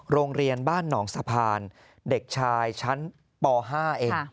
โรงเรียนบ้านหนองสะพานเด็กชายชั้นป๕เอง